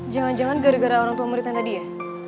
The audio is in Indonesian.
jangan jangan gara gara orang tua muridnya tadi ya